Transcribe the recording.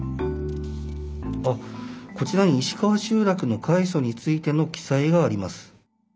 こちらに石川集落の開祖についての記載があります。